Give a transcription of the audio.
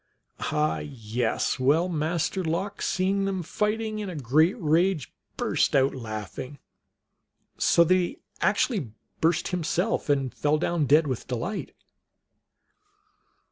Ah, yes. Well, Master Lox, seeing them fighting in a great rage, burst out laughing, so that he actually burst himself, and fell down dead with delight.